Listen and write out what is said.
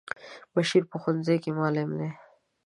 بشیر په ښونځی کی معلم دی.